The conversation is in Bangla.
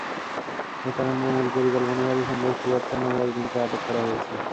হত্যাকাণ্ডের মূল পরিকল্পনাকারী সন্দেহে ফুয়াদ খান নামের একজনকে আটক করা হয়েছে।